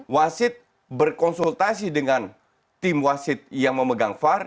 wasid berkonsultasi dengan tim wasid yang memegang var